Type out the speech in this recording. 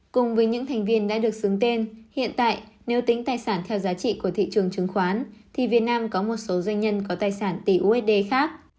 cùng với những thành viên đã được xứng tên hiện tại nếu tính tài sản theo giá trị của thị trường chứng khoán thì việt nam có một số doanh nhân có tài sản tỷ usd khác